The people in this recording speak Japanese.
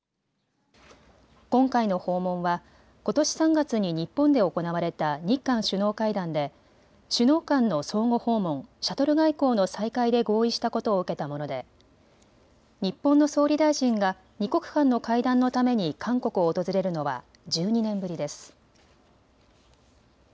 今回の訪問は、ことし３月に日本で行われた日韓首脳会談で首脳間の相互訪問、シャトル外交の再開で合意したことを受けたもので日本の総理大臣が２国間の会談のために韓国を訪れるのは１２年ぶりです。